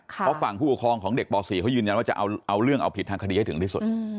เพราะฝั่งผู้ปกครองของเด็กป๔เขายืนยันว่าจะเอาเรื่องเอาผิดทางคดีให้ถึงที่สุด